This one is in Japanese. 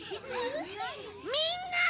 みんな！